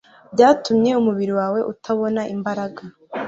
byatumye umubiri wawe utabona imbaraga